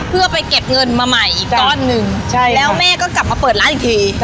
เพื่อไปเก็บเงินมาใหม่อีกก้อนหนึ่งใช่แล้วแม่ก็กลับมาเปิดร้านอีกที